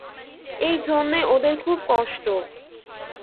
এই জন্যে ওদের খুব কষ্ট।